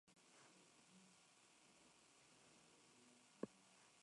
Las ramas son mayormente purpúreas a rojo pardas, usualmente glaucas.